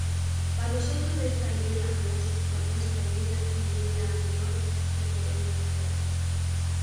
Pa nosotros esta ye la nuestra vida y ye la meyor que podemos esperar.